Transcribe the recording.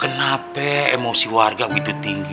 kenapa emosi warga begitu tinggi